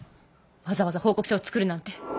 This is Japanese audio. わざわざ報告書を作るなんて。